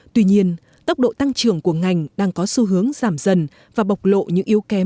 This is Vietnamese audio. tuy nhiên tốc độ tăng trưởng của ngành đang có xu hướng giảm dần và bộc lộ những yếu kém